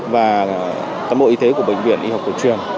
và cán bộ y tế của bệnh viện y học cổ truyền